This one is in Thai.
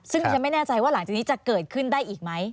ซึ่งดิฉันไม่แน่ใจว่าหลังจากนี้จะเกิดขึ้นได้อีกไหม